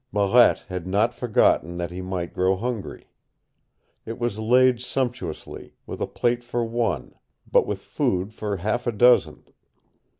Marette had not forgotten that he might grow hungry. It was laid sumptuously, with a plate for one, but with food for half a dozen.